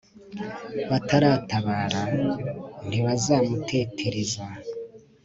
bataratabara ntibazamutetereze